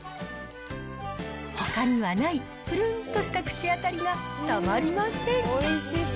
ほかにはない、ぷるんとした口当たりがたまりません。